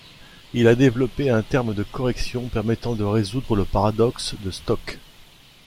Il a développé un terme de correction permettant de résoudre le paradoxe de Stokes.